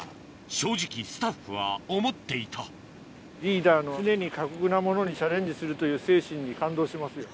正直スタッフは思っていたリーダーの常に過酷なものにチャレンジするという精神に感動しますよ。